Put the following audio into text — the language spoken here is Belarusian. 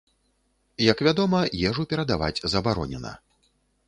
Як вядома, ежу перадаваць забаронена.